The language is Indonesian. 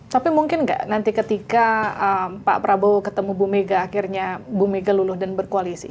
tapi mungkin nggak nanti ketika pak prabowo ketemu bu mega akhirnya bu mega luluh dan berkoalisi